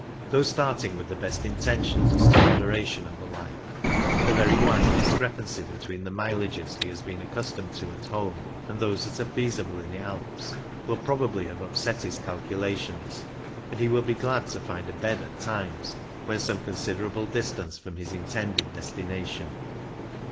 Though starting with the best in tentions as to moderation and the like, the very wide discrepancy between the mile ages he has been accustomed to at home and those that are feasible in the Alps will probably have upset his calculations, and he will be glad to find a bed at times when some considerable distance from his in tended destination.